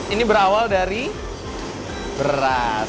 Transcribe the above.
ini berawal dari beras